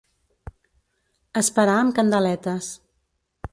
Esperar amb candeletes.